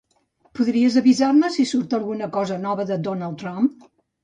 Podries avisar-me si surt alguna cosa nova de Donald Trump?